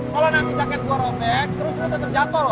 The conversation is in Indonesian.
kalo nanti jaket gue robek terus lo ternyata jatuh loh